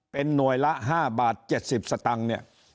เป็นหน่วยละ๕บาท๗๐สตางค์เนี่ย